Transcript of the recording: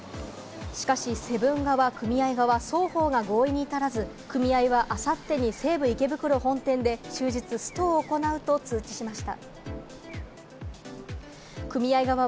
しかしセブン側、そごう側、双方が合意に至らず、組合はあさってに西武池袋本店で終日ストを行うと通知しました。